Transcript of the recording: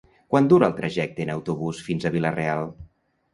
Quant dura el trajecte en autobús fins a Vila-real?